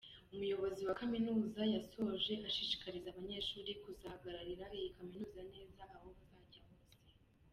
Umuyobozi wa Kaminuza yasoje ashishikariza aba banyeshuri kuzahagararira iyi Kaminuza neza aho bazajya hose.